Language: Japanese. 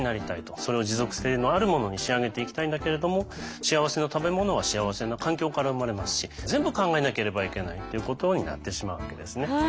それを持続性のあるものに仕上げていきたいんだけれども幸せな食べ物は幸せな環境から生まれますし全部考えなければいけないということになってしまうわけですね。